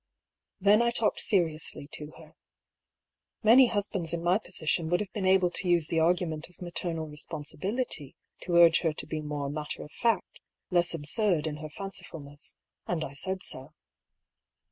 Then I talked seriously to her. Many husbands in my position would have been able to use the argument of maternal responsibility to urge her to be more matter of fact, less absurd in her fancif ulness, and I said so.